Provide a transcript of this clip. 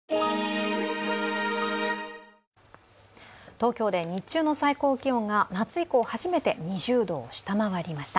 東京で日中の最高気温が夏以降初めて２０度を下回りました。